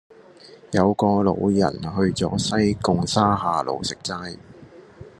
有個老人去左西貢沙下路食齋